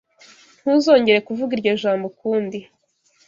Ntuzongere kuvuga iryo jambo ukundi.